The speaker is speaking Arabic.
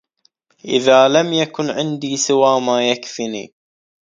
إذا لم يكن عندي سوى ما يكفني